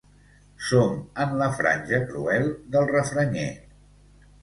Som en la franja cruel del refranyer.